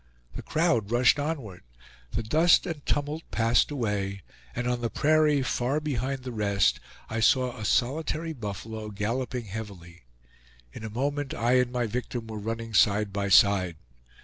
The crowd rushed onward. The dust and tumult passed away, and on the prairie, far behind the rest, I saw a solitary buffalo galloping heavily. In a moment I and my victim were running side by side.